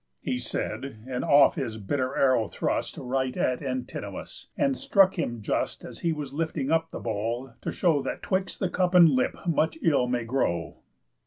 He said, and off his bitter arrow thrust Right at Antinous; and struck him just As he was lifting up the bowl, to show That 'twixt the cup and lip much ill may grow.